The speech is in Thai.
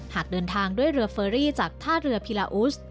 หากเดินทางด้วยเรือเฟอรี่จากท่าเรือพิลาอุส